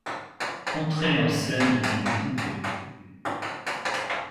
Entrée en scène d’une poupée